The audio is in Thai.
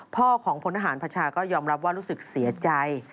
พ่อของพลทหารพชาก็ยอมรับว่ารู้สึกเสียใจ